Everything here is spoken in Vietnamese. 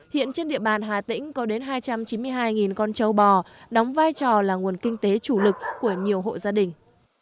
hiện trên địa bàn hà tĩnh có đến hai trăm chín mươi hai con châu bò đóng vai trò là nguồn kinh tế chủ lực của nhiều hộ gia đình